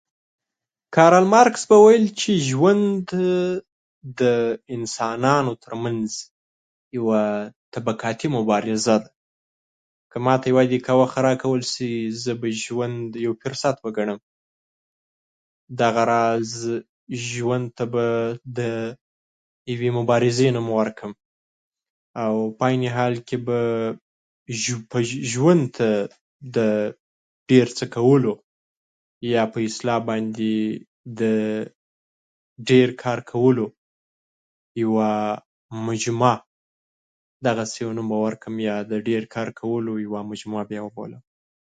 کارل مارکس به ویل چې ژوند د انسانانو ترمنځ یوه طبقاتي مبارزه ده، که ماته یوه دقیقه وخت راکول شي زه به ژوند یو فرصت وګڼم دغه راز ژوند ته به د یوې مبارزې نوم ورکړم او په عین حال کې به ژوند ته د ډېر څه کولو، یا په اصطلاح د ډېر کار کولو یوه مجموعه به یې وبولم.